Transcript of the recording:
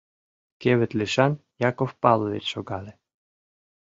Кевыт лишан Яков Павлович шогале.